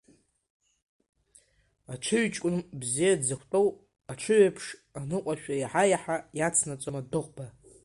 Аҽыҩҷкәын бзиа дзықәтәоу аҽыҩеиԥш, аныҟәашәа иаҳа-иаҳа иацнаҵон адәыӷба.